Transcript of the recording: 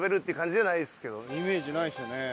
イメージないですよね。